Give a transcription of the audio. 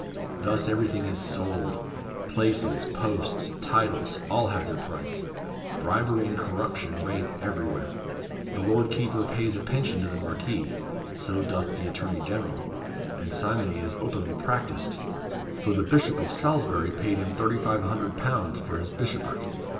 Thus everything is sold; places, posts, titles, all have their price bribery and corruption reign everywhere. The lord keeper pays a pension to the Marquis so doth the attorney general and simony is openly practised; for the Bishop of Salisbury paid him £3,500 for his bishopric.